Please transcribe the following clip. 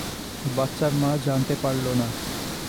বাচ্চার মা জানতে পারল না।